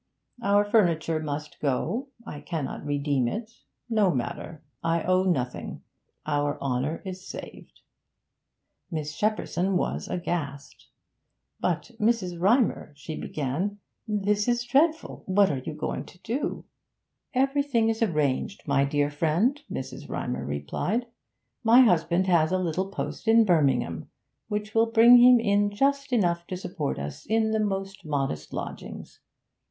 Our furniture must go; I cannot redeem it; no matter. I owe nothing; our honour is saved!' Miss Shepperson was aghast. 'But, Mrs. Rymer,' she began, 'this is dreadful! What are you going to do?' 'Everything is arranged, dear friend,' Mrs. Rymer replied. 'My husband has a little post in Birmingham, which will bring him in just enough to support us in the most modest lodgings.